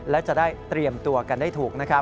และจะได้เตรียมตัวกันได้ถูก